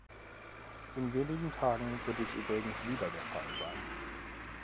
In wenigen Tagen wird dies übrigens wieder der Fall sein.